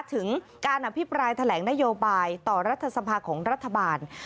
ถึงการอภิปรายแถลงนโยบายต่อรัฐสภาของรัฐบาล